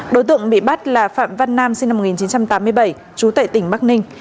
đối tượng bị bắt là phạm văn nam sinh năm một nghìn chín trăm tám mươi bảy chú tệ tỉnh bắc ninh